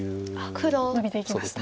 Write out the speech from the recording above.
あっノビていきました。